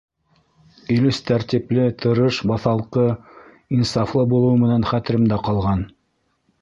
Илүс тәртипле, тырыш, баҫалҡы, инсафлы булыуы менән хәтеремдә ҡалған.